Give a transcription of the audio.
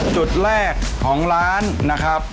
จุดแรกของร้านนะครับ